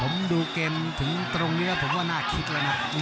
ผมดูเกมถึงตรงนี้แล้วผมว่าน่าคิดแล้วนะ